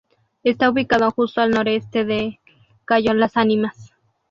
Está ubicado justo al noreste del cayo Las Ánimas.